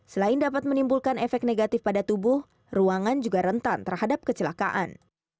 selain dapat menimbulkan efek negatif pada tubuh ruangan juga rentan terhadap kecelakaan